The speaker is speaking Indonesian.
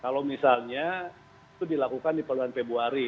kalau misalnya itu dilakukan di bulan februari